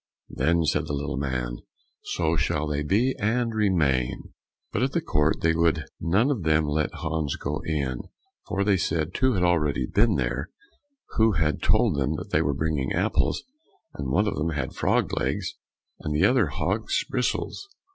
"Then," said the little man, "so shall they be, and remain." But at the court they would none of them let Hans go in, for they said two had already been there who had told them that they were bringing apples, and one of them had frogs' legs, and the other hogs' bristles.